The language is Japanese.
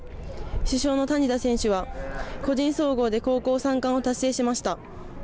主将の谷田選手は、個人総合で高校３冠を達成しました。